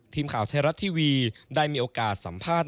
ทีมข่าวไทยรัฐทีวีได้มีโอกาสสัมภาษณ์